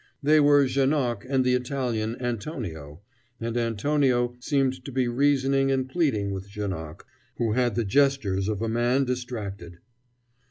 They were Janoc and the Italian, Antonio, and Antonio seemed to be reasoning and pleading with Janoc, who had the gestures of a man distracted.